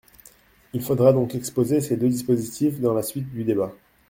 Il faudra donc exposer ces deux dispositifs dans la suite du débat.